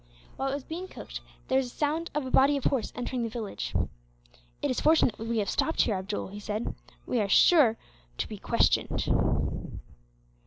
While it was being cooked, there was a sound of a body of horse entering the village. "It is unfortunate that we have stopped here, Abdool," he said. "We are sure to be questioned."